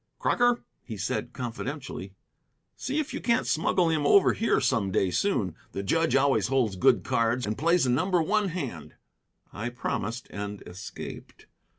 "Crocker;" he said confidentially, "see if you can't smuggle him over here some day soon. The judge always holds good cards, and plays a number one hand." I promised, and escaped.